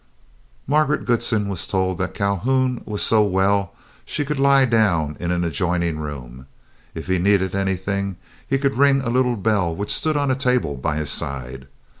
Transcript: Margaret Goodsen was told that as Calhoun was so well, she could lie down in an adjoining room. If he needed anything, he could ring a little bell which stood on a table by his side.